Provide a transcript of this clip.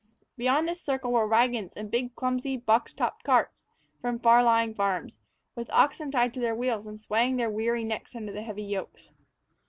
Beyond this circle were wagons and big, clumsy, box topped carts from far lying farms, with oxen tied to their wheels and swaying their weary necks under heavy yokes.